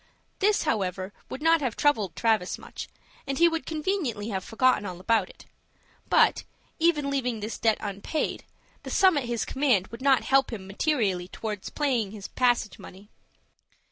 This, however, would not have troubled Travis much, and he would conveniently have forgotten all about it; but, even leaving this debt unpaid, the sum at his command would not help him materially towards paying his passage money.